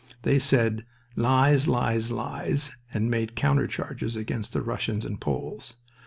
They said "Lies lies lies!" and made counter charges against the Russians and Poles.